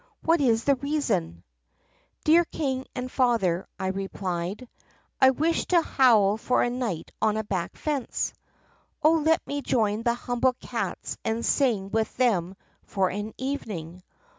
What is the reason ?'" "Dear King and Father,' I replied, 'I wish to howl for a night on a back fence! Oh, let me join the humble cats and sing with them for an evening.